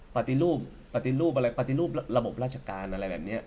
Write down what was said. ปฏิรูปปฏิรูปอะไรปฏิรูประบบราชการอะไรแบบนี้